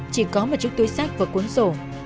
chỉ có một chút túi xác và cuốn sổ